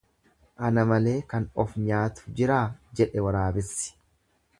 Ana malee kan of nyaatu jiraa jedhe waraabessi.